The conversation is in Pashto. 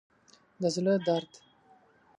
د زړه درد